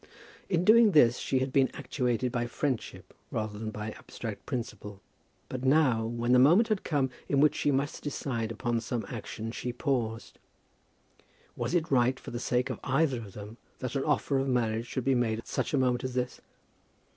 In doing this she had been actuated by friendship rather than by abstract principle. But now, when the moment had come in which she must decide upon some action, she paused. Was it right, for the sake of either of them, that an offer of marriage should be made at such a moment as this?